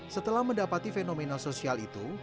setelah mendapati fenomena sosial itu